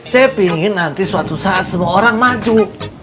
saya pingin nanti suatu saat semua orang maju